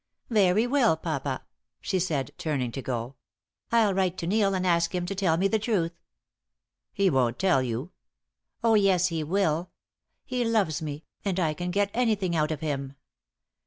"Very well, papa," she said, turning to go, "I'll write to Neil and ask him to tell me the truth." "He won't tell you." "Oh, yes, he will. He loves me, and I can get any thing out of him."